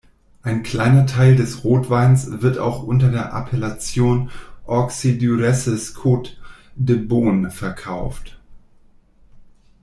Ein kleiner Teil des Rotweins wird auch unter der Appellation "Auxey-Duresses-Côte de Beaune" verkauft.